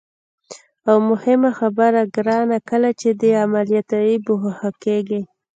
او مهمه خبره ګرانه، کله چې دې عملیاتوي، بېهوښه کېږي.